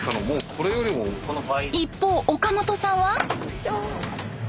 一方岡本さんは。